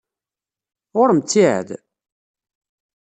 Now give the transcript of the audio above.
Ɣur-m ttiɛad?